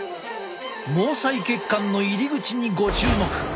毛細血管の入り口にご注目。